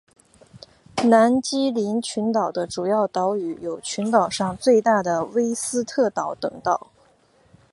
南基林群岛的主要岛屿有群岛上最大的威斯特岛等岛。